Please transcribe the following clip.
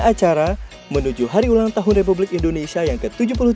acara menuju hari ulang tahun republik indonesia yang ke tujuh puluh tiga